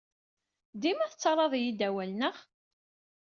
Dima tettarraḍ-iyi-d awal, naɣ?